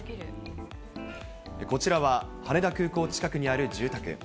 こちらは羽田空港近くにある住宅。